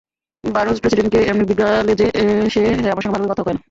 Baros প্রেসিডেণ্টকে এমনি বিগড়ালে যে, সে আমার সঙ্গে ভাল করে কথাও কয় না।